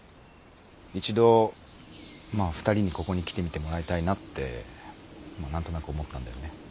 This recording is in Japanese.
一度２人にここに来てみてもらいたいなって何となく思ったんだよね。